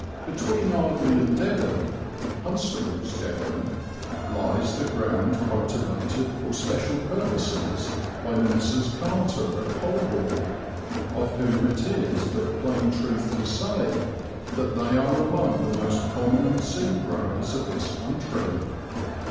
Between Ardleigh and Dedham Constable's Dedham lies the ground cultivated for special purposes by Messrs. Carter, of Holborn, of whom it is but plain truth to say that they are among the most prominent seed growers of this country.